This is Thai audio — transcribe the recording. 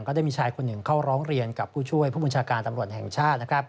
ได้มีชายคนหนึ่งเข้าร้องเรียนกับผู้ช่วยผู้บัญชาการตำรวจแห่งชาติ